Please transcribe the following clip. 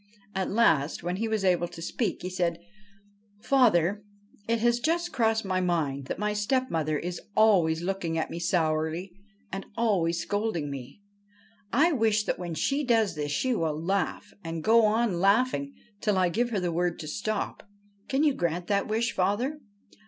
At last, when he was able to speak, he said, ' Father, it has just crossed my mind that my stepmother is always looking at me sourly and always scolding me. I wish that when she does this she 122 THE FRIAR AND THE BOY will laugh, and go on laughing till I give her the word to stop. Can you grant that wish, father